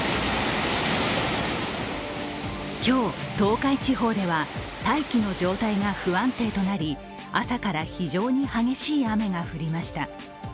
今日、東海地方では大気の状態が不安定となり、朝から非常に激しい雨が降りました。